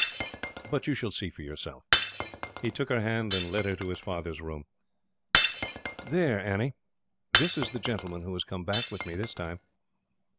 But you shall see for yourself." He took her hand, and led her to his father's room. "There, Annie, this is the gentleman who has come back with me this time."